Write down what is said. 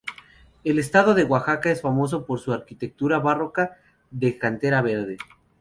El estado de Oaxaca es famoso por su arquitectura barroca de cantera verde.